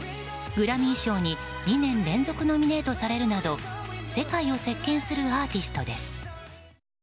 グラミー賞に２年連続ノミネートされるなど世界を席巻するアーティストです。